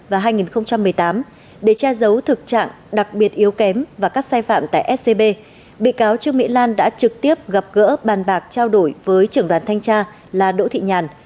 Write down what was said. và hai nghìn một mươi tám để che giấu thực trạng đặc biệt yếu kém và các sai phạm tại scb bị cáo trương mỹ lan đã trực tiếp gặp gỡ bàn bạc trao đổi với trưởng đoàn thanh tra là đỗ thị nhàn